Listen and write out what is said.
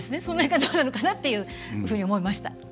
その辺がどうなのかなっていうふうに思いました。